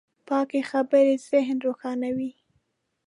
پاکې خبرې ذهن روښانوي.